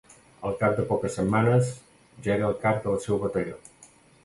Al cap de poques setmanes ja era el cap del seu batalló.